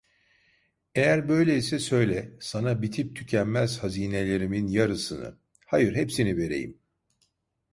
Eğer böyleyse söyle, sana bitip tükenmez hâzinelerimin yarısını, hayır, hepsini vereyim.